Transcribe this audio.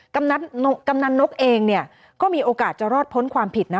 กำนันนกเองเนี่ยก็มีโอกาสจะรอดพ้นความผิดนะ